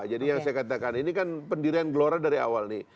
jadi yang saya katakan ini kan pendirian gelora dari awal nih